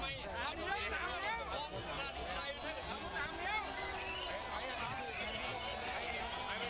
โอเคโอเคโอเคโอเค